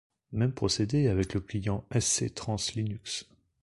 Même procédé avec le client sc_trans_linux.